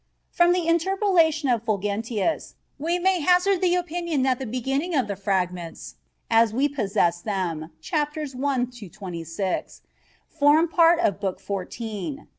From the interpolation of Fulgentius we may hazard the opinion that the beginning of the fragments, as we possess them (Chapters 1 to 26), form part of Book Fourteen.